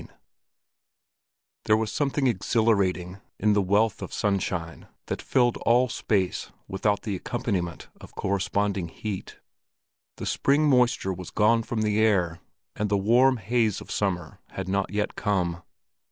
III There was something exhilarating in the wealth of sunshine that filled all space without the accompaniment of corresponding heat. The spring moisture was gone from the air, and the warm haze of summer had not yet come.